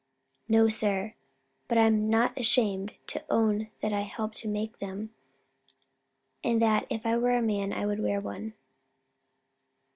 "No, sir; but I'm not ashamed to own that I helped to make them, and that if I were a man, I would wear one."